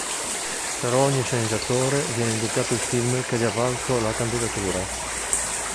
Per ogni sceneggiatore viene indicato il film che gli ha valso la candidatura.